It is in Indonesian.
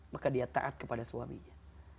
maka dia taat kepada suaminya